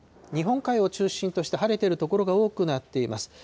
日本海を中心として晴れている所が多くなっています。